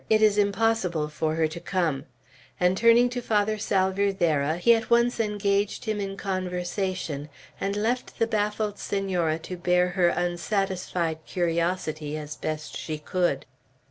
It is impossible for her to come;" and turning to Father Salvierderra, he at once engaged him in conversation, and left the baffled Senora to bear her unsatisfied curiosity as best she could.